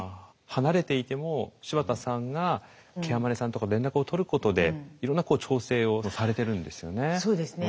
離れていても柴田さんがケアマネさんとか連絡をとることでいろんな調整をされてるんですよね。